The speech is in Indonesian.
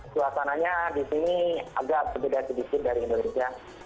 suasananya di sini agak berbeda sedikit dari indonesia